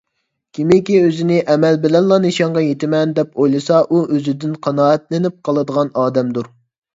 كىمكى ئۆزىنى ئەمەل بىلەنلا نىشانغا يېتىمەن، دەپ ئويلىسا ئۇ ئۆزىدىن قانائەتلىنىپ قالىدىغان ئادەمدۇر.